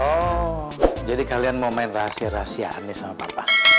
oh jadi kalian mau main rahasia rahasia anies sama papa